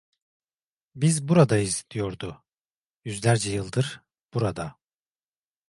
Biz buradayız, diyordu… Yüzlerce yıldır, burada…